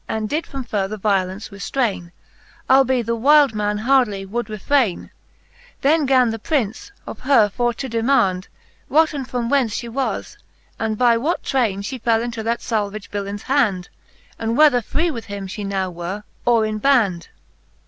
And did from further violence reftraine/ Albe the wyld man hardly would refraine. Then gan the Prince, of her for to demand, What and from whence ihe was, and by what traine She fell into that falvage villaines hand, And whether free with him fhe now were, or in band.